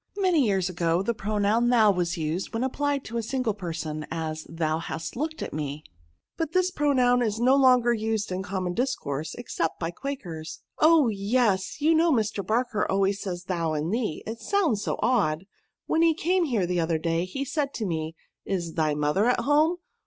Many years ago the pronoun * thou* was used when applied to a single person ; as, thou hast looked at me. But this pronoun is no longer used in com mon discourse, except by Quakers. " Oh ! yes ; you know Mr. Barker always t'ROKOtJNS. 16S says thou and thee : it sounds so odd. When lie came here the other day^ he said to me^ * Is thy mother at home